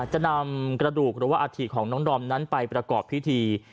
จะนำกระดูกหรือว่าอาถิของน้องดอมนั้นไปประกอบพิธี